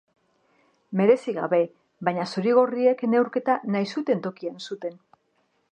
Merezi gabe, baina zuri-gorriek neurketa nahi zuten tokian zuten.